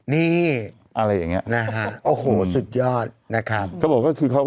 นี่อะไรอย่างเงี้ยนะฮะโอ้โหสุดยอดนะครับเขาบอกว่าคือเขา